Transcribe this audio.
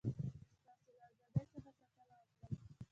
ستاسي له ازادی څخه ساتنه وکړم.